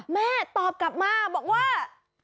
แม่ตอบกลับมาบอกว่า